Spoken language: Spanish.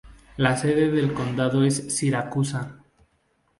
La sede del condado es Siracusa.